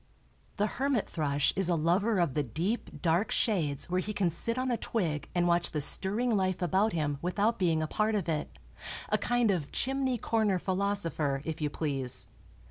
The hermit thrush is a lover of the deep, dark shades where he can sit on a twig and watch the stirring life about him without being a part of it—a kind of chimney corner philosopher, if you please.